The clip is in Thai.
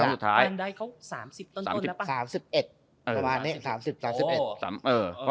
๓๑ประมาณนี้๓๐๓๑